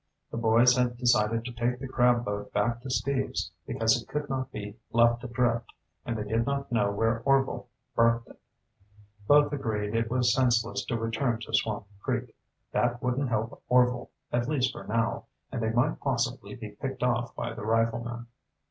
The boys had decided to take the crab boat back to Steve's, because it could not be left adrift, and they did not know where Orvil berthed it. Both agreed it was senseless to return to Swamp Creek. That wouldn't help Orvil, at least for now, and they might possibly be picked off by the riflemen.